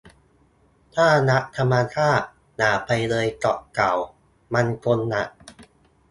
ถ้ารักธรรมชาติ อย่าไปเลยเกาะเต่า มันคงหนัก